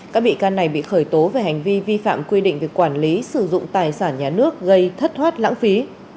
các bị can này bị khởi tố về hành vi vi phạm quy định về quản lý sử dụng tài sản nhà nước gây thất thoát lãng phí